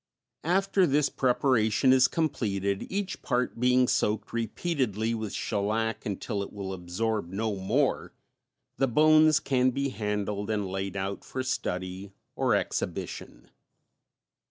After this preparation is completed, each part being soaked repeatedly with shellac until it will absorb no more, the bones can be handled and laid out for study or exhibition.